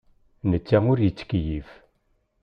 Netta ur yettkeyyif.